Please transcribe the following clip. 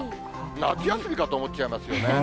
夏休みかと思っちゃいますよね。